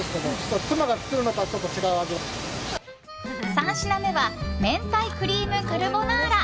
３品目は明太クリームカルボナーラ。